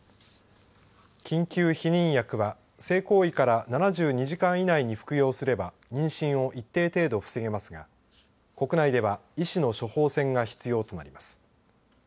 緊急避妊薬は性行為から７２時間以内に服用すれば妊娠を一定程度防げますが国内では、医師の処方箋が必要となります。